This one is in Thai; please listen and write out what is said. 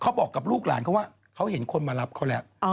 บอกกับลูกหลานเขาว่าเขาเห็นคนมารับเขาแล้ว